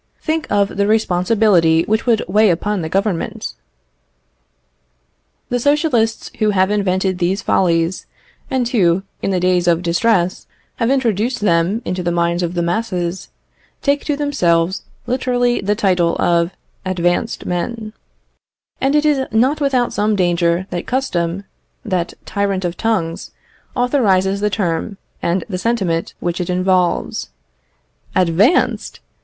Think of the responsibility which would weigh upon the Government. The Socialists who have invented these follies, and who, in the days of distress, have introduced them into the minds of the masses, take to themselves literally the title of advanced men; and it is not without some danger that custom, that tyrant of tongues, authorizes the term, and the sentiment which it involves. _Advanced!